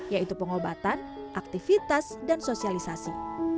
yaitu pengobatan aktivitas dan sosialisasi